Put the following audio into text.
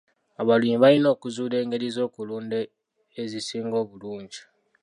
Abalimi balina okuzuula engeri z'okulunda ezisinga obulungi.